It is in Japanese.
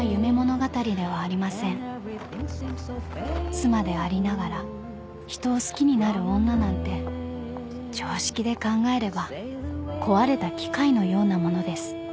［妻でありながら人を好きになる女なんて常識で考えれば壊れた機械のようなものです］